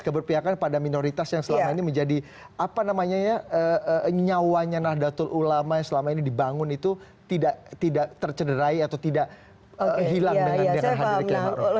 keberpihakan pada minoritas yang selama ini menjadi apa namanya ya nyawanya nahdlatul ulama yang selama ini dibangun itu tidak tercederai atau tidak hilang dengan hadir kiai ⁇ maruf ⁇